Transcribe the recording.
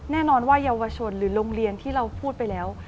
แน่นอนว่าเยาวชนหรือโรงเรียนที่เราพูดไปแล้ว